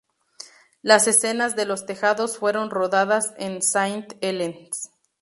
Las escenas de los tejados fueron rodadas en Saint Helens.